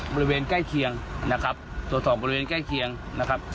บริเวณใกล้เคียงนะครับตรวจสอบบริเวณใกล้เคียงนะครับ